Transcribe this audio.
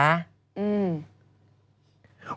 อืม